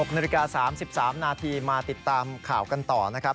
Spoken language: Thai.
๖นาฬิกา๓๓นาทีมาติดตามข่าวกันต่อนะครับ